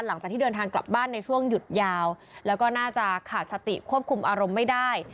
หลังจากที่เดินทางกลับบ้านในช่วงหยุดยาวแล้วก็น่าจะขาดสติควบคุมอารมณ์ไม่ได้